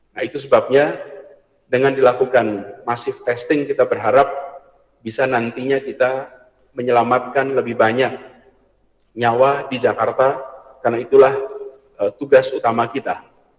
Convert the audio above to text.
nah itu sebabnya dengan dilakukan masif testing kita berharap bisa nantinya kita menyelamatkan lebih banyak nyawa di jakarta karena itulah tugas utama kita